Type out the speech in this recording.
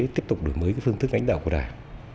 tiếp tục đổi mới phương thức lãnh đạo của đảng